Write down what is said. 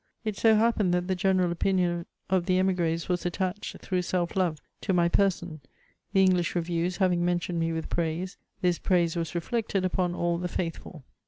It so happened that the general opinion of the Emigres was attached, through self love, to my person ; the English reviews having mentioned me with praise, this praise was reflected upon all the faithful.